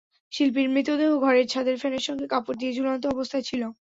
শিল্পীর মৃতদেহ ঘরের ছাদের ফ্যানের সঙ্গে কাপড় দিয়ে ঝুলন্ত অবস্থায় ছিল।